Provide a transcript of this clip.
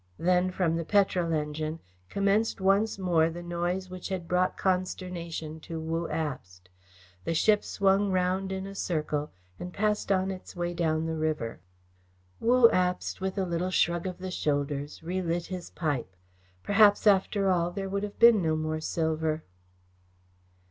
Then, from the petrol engine, commenced once more the noise which had brought consternation to Wu Abst. The ship swung round in a circle and passed on its way down the river. Wu Abst, with a little shrug of the shoulders, relit his pipe. Perhaps, after all, there would have been no more silver!